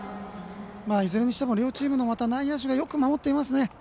いずれにしても両チームの内野手がよく守っていますね。